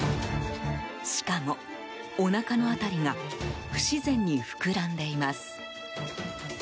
しかも、おなかの辺りが不自然に膨らんでいます。